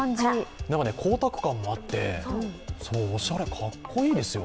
光沢感もあって、おしゃれ、かっこいいですよ。